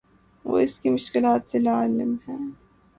وہ اس کی مشکلات سے لاعلم ہے